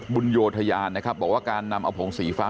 โยธยานนะครับบอกว่าการนำเอาผงสีฟ้า